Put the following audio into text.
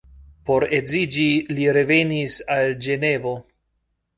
Por edziĝi li revenis al Ĝenevo.